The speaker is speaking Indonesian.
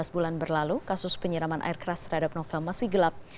empat belas bulan berlalu kasus penyiraman air keras terhadap novel masih gelap